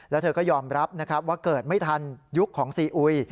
และเธอก็ยอมรับว่าเกิดไม่ทันยุคของซีอุย